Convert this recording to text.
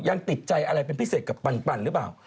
ยังติดใจอะไรเป็นพิเศษกับปันหรือเปล่า